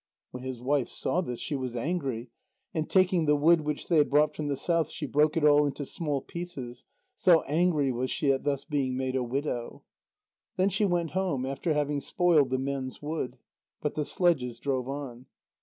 When his wife saw this, she was angry, and taking the wood which they had brought from the south, she broke it all into small pieces. So angry was she at thus being made a widow. Then she went home, after having spoiled the men's wood. But the sledges drove on.